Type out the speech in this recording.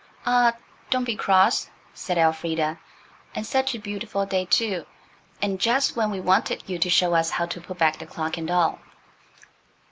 "Ah, don't be cross," said Elfrida, "and such a beautiful day, too, and just when we wanted you to show us how to put back the clock and all."